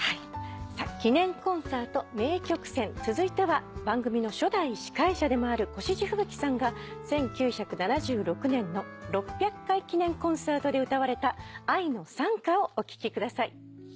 さあ記念コンサート名曲選続いては番組の初代司会者でもある越路吹雪さんが１９７６年の６００回記念コンサートで歌われた『愛の讃歌』をお聴きください。